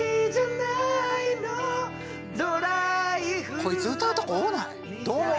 こいつ歌うとこ多ない？